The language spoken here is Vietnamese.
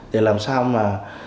để làm sao mà